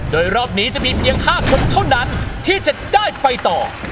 โดยรอบนี้จะมีเพียง๕คนเท่านั้นที่จะได้ไปต่อ